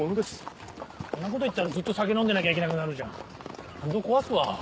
そんなこと言ったらずっと酒飲んでなきゃいけなくなるじゃん肝臓こわすわ。